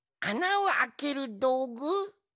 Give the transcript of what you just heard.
あなをあけるどうぐ？